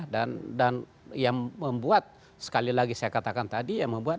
dan yang membuat sekali lagi saya katakan tadi